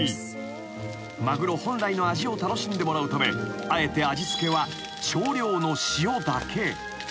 ［マグロ本来の味を楽しんでもらうためあえて味付けは少量の塩だけ］